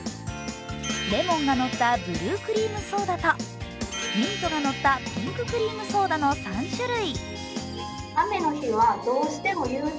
レモンがのったブルークリームソーダとミントがのったピンククリームソーダの３種類。